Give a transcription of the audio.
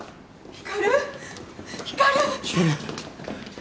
光！